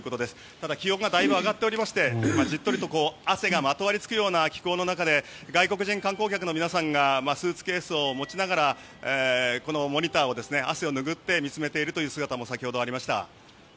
ただ気温がだいぶ上がっておりましてじっとりと汗がまとわりつくような気候の中で外国人観光客の皆さんがスーツケースを持ちながらモニターを汗を拭って見つめているという様子も先ほどありました。